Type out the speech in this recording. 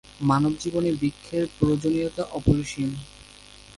মানবজীবনে বৃক্ষের প্রয়োজনীয়তা অপরিসীম।